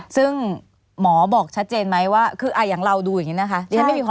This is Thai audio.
ซึ่งหมอบอกชัดเจนไหมว่าคืออย่างเราดูอย่างนี้นะคะ